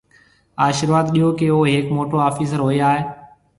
آشرواڌ ڏيو ڪيَ او هيڪ موٽو آفِيسر هوئي آئي۔